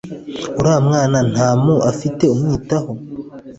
uri mwana na mu afite umwitaho